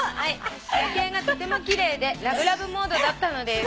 「夜景がとても奇麗でラブラブモードだったのです。